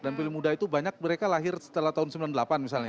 dan pemilih muda itu banyak mereka lahir setelah tahun sembilan puluh delapan misalnya